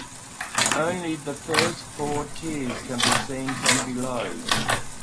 Only the first four tiers can be seen from below.